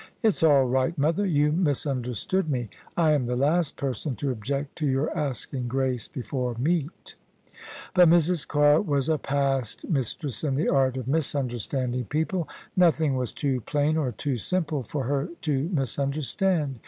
"It's all right, mother; you misunderstood me. I am the last person to object to your asking grace before meat." But Mrs. Carr was a past mistress in the art of misxmder standing people. Nothing was too plain or too simple for her to misunderstand.